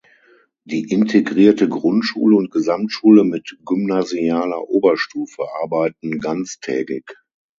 Die integrierte Grundschule und Gesamtschule mit gymnasialer Oberstufe arbeiten ganztägig.